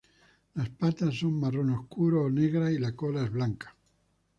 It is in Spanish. Las patas son marrón obscuro o negras y la cola es blanca.